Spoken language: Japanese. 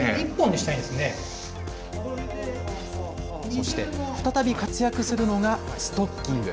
そして再び活躍するのがストッキング。